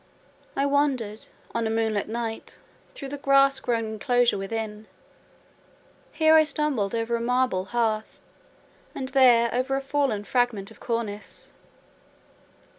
I wandered, on a moonlight night, through the grass grown enclosure within: here I stumbled over a marble hearth, and there over a fallen fragment of cornice.